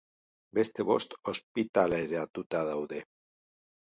Beste bost ospitaleratuta daude.